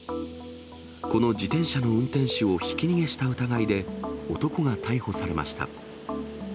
この自転車の運転手をひき逃げした疑いで男が逮捕されました。